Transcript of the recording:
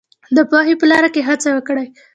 د پوهې په لار کې هڅه وکړئ.